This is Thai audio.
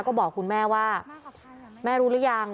ก็บอกคุณแม่ว่าแม่รู้หรือยัง